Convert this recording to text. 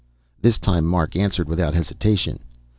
This time Mark answered without hesitation.